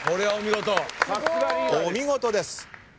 お見事です！